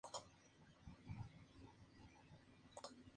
Algunas veces toda la civilización está contenida en un solo Estado como Japón.